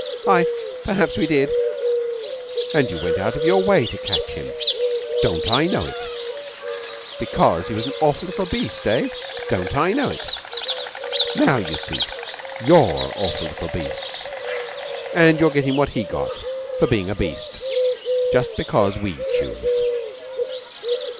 "I perhaps we did." "And you went out of your way to catch him? Don't I know it! Because he was an awful little beast, eh? Don't I know it! Now, you see, you're awful beasts, and you're gettin' what he got for bein' a beast. Just because we choose."